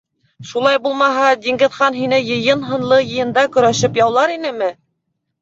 Шулай булмаһа, Диңгеҙхан һине йыйын һынлы йыйында көрәшеп яулар инеме?!